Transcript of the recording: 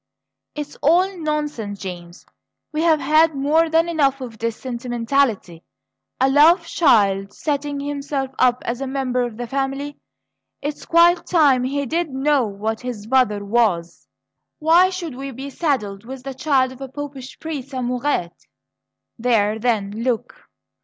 "It's all nonsense, James; we've had more than enough of this sentimentality! A love child setting himself up as a member of the family it's quite time he did know what his mother was! Why should we be saddled with the child of a Popish priest's amourettes? There, then look!"